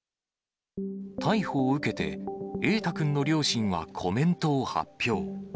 逮捕を受けて、瑛大君の両親はコメントを発表。